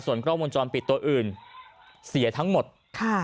กล้องวงจรปิดตัวอื่นเสียทั้งหมดค่ะ